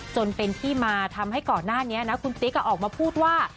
จนเป็นที่มาทำให้ก่อนหน้านี้นะคุณติ๊กออกมาพูดว่า